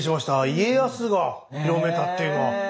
家康が広めたっていうのは。